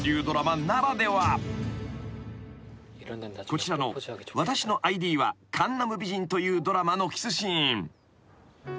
［こちらの『私のＩＤはカンナム美人』というドラマのキスシーン］